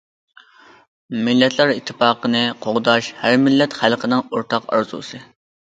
مىللەتلەر ئىتتىپاقلىقىنى قوغداش ھەر مىللەت خەلقنىڭ ئورتاق ئارزۇسى.